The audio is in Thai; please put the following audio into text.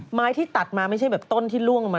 ไม้ที่ตัดมาไม่ใช่แบบต้นที่ล่วงมา